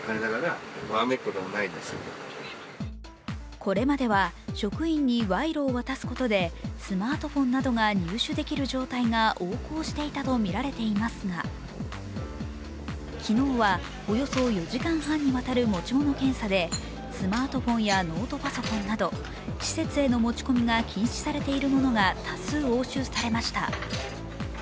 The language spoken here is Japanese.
これまでは職員に賄賂を渡すことでスマートフォンなどが入手できる状態が横行していたとみられていますが昨日は、およそ４時間半にわたる持ち物検査でスマートフォンやノートパソコンなど施設への持ち込みが禁止されているものが多数押収されました。